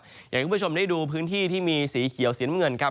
อย่างคุณผู้ชมได้ดูพื้นที่ที่มีสีเขียวสีน้ำเงินครับ